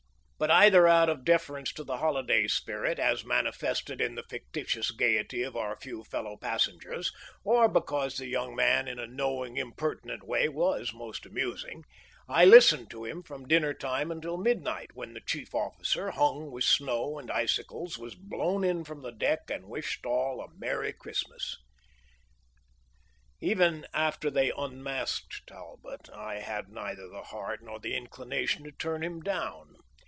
But, either out of deference to the holiday spirit, as manifested in the fictitious gayety of our few fellow passengers, or because the young man in a knowing, impertinent way was most amusing, I listened to him from dinner time until midnight, when the chief officer, hung with snow and icicles, was blown in from the deck and wished all a merry Christmas. Even after they unmasked Talbot I had neither the heart nor the inclination to turn him down.